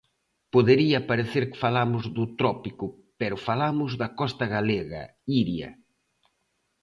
Podería parecer que falamos do trópico, pero falamos da costa galega, Iria?